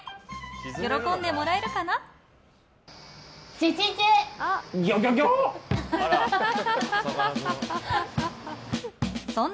喜んでもらえるかな？